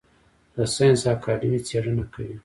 د ساینس اکاډمي څیړنې کوي؟